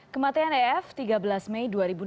kematian ef tiga belas mei dua ribu enam belas